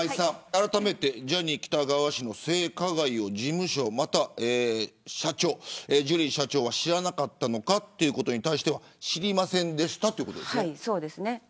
あらためてジャニー喜多川氏の性加害を事務所または社長ジュリー社長が知らなかったのかということに関しては知りませんでしたということですね。